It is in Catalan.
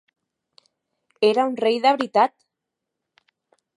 Era un rei de veritat!